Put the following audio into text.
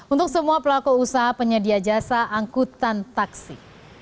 untuk semua pelaku usaha penyedia jasa angkutan taksi